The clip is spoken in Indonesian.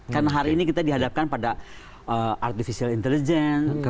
karena hari ini kita dihadapkan pada artificial intelligence